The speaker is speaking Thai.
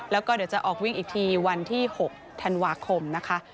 แล้วก็เดี๋ยวจะออกวิ่งอีกทีวันที่๖ธันวาคมนะคะ